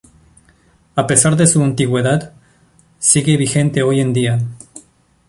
A pesar de su antigüedad, sigue vigente hoy en día.